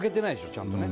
ちゃんとね